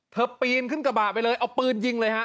ปีนขึ้นกระบะไปเลยเอาปืนยิงเลยฮะ